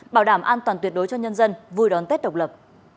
bảo đảm an toàn tuyệt đối cho nhân dân vui đón tết độc lập